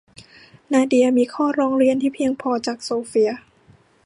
นาเดียมีข้อร้องเรียนที่เพียงพอจากโซเฟีย